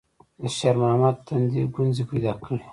د شېرمحمد تندي ګونځې پيدا کړې.